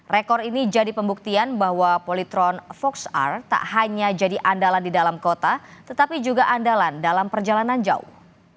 rekor ini jadi pembuktian bahwa polytron fox r tak hanya jadi andalan di dalam kota tetapi juga andalan dalam perjalanan jauh